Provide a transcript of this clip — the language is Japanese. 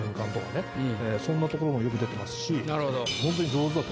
そんなところもよく出てますし。